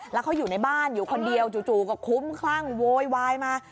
แล้วเขาอยู่ในบ้านอยู่คนเดียวจู่ก็คุ้มคลั่งโวยวายมา